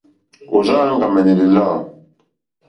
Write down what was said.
Ò rzáā áŋɡàmɛ̀nɛ̀ lìlâ.